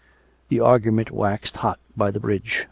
The argument waxed hot by the bridge.